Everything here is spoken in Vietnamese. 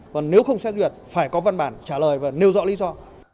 còn nếu không xét duyệt phải có văn bản trả lời và nêu rõ lý do